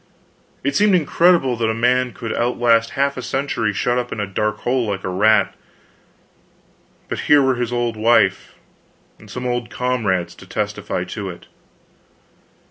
It seemed incredible that a man could outlast half a century shut up in a dark hole like a rat, but here were his old wife and some old comrades to testify to it.